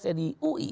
saya di ui